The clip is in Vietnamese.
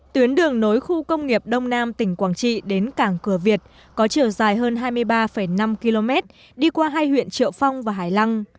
tuyến đường nối khu công nghiệp đông nam tỉnh quảng trị đến cảng cửa việt có chiều dài hơn hai mươi ba năm km đi qua hai huyện triệu phong và hải lăng